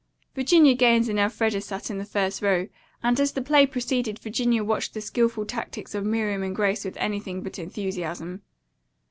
Virginia Gaines and Elfreda sat in the first row, and as the play proceeded Virginia watched the skilful tactics of Miriam and Grace with anything but enthusiasm.